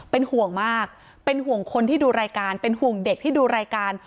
เป็นห่วงมากเป็นห่วงคนที่ดูรายการเป็นห่วงเด็กที่ดูรายการ